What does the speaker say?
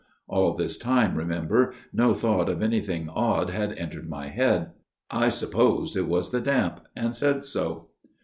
(All this time, remember, no thought of anything odd had entered my head.) I supposed it was the damp ; and said so.